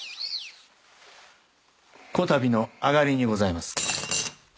こたびの上がりにございます